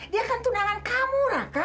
dia kan tunangan kamu raka